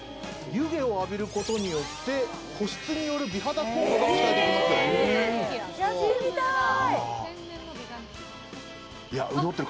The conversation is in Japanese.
湯気を浴びることによって、保湿による美肌効果が期待できますって。